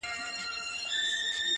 کتابونه یې په څنګ کي وه نیولي؛